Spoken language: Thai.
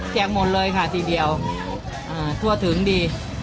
หมดเลยค่ะทีเดียวทั่วถึงดี